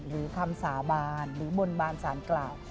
หรือคำสาบานหรือบนบานสารกล่าว